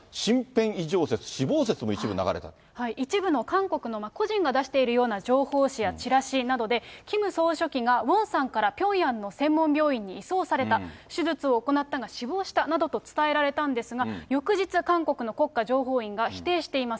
こういうふうな身辺異常説、一部の韓国の個人が出しているような情報誌やチラシなどで、キム総書記がウォンサンからピョンヤンの専門病院に移送された、手術を行ったが死亡したなどと伝えられたんですが、翌日、韓国の国家情報院が否定しています。